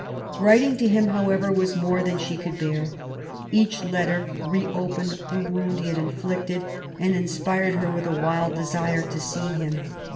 ^' Writing to him, however, was more than she could bear. Each letter reopened the wound he had inflicted, and inspired her with a wild desire to see him.